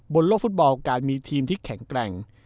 บนโลกฟุตบอลการมีทีมที่แข็งแกร่ง